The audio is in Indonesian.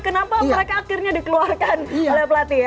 kenapa mereka akhirnya dikeluarkan oleh pelatih ya